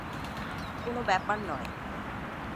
কোনো ব্যাপার নয়।